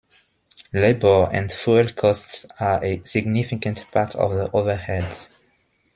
Labor and fuel costs are a significant part of the overhead.